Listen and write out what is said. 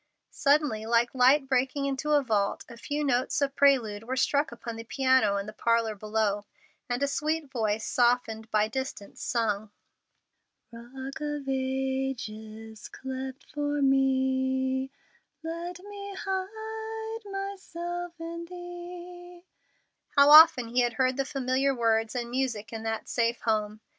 Suddenly, like light breaking into a vault a few notes of prelude were struck upon the piano in the parlor below, and a sweet voice, softened by distance sung: "Rock of ages, cleft for me, let me hide myself in thee," How often he had heard the familiar words and music in that same home!